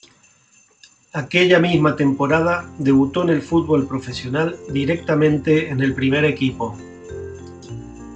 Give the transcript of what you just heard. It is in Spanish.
Aquella misma temporada debutó en el fútbol profesional directamente en el primer equipo.